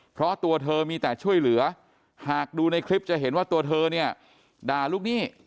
เพราะตัวเธอมีแต่ช่วยเหลือหากดูในคลิปจะเห็นว่าตัวเธอเนี่ยด่าลูกหนี้